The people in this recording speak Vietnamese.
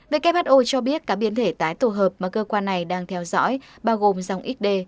who cho biết các biến thể tái tổ hợp mà cơ quan này đang theo dõi bao gồm dòng x